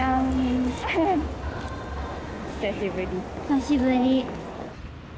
久しぶり。